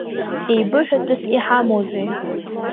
Еибыҳәатәыс иҳамоузеи?!